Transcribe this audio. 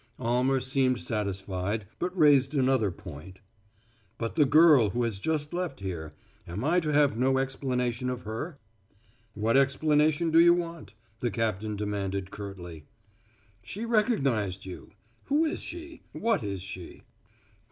Almer seemed satisfied, but raised another point: "But the girl who has just left here; am I to have no explanation of her?" "What explanation do you want?" the captain demanded curtly. "She recognized you. Who is she? What is she?"